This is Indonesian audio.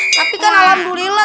tapi kan alhamdulillah